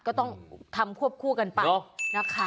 ก็ต้องทำควบคู่กันไปนะคะ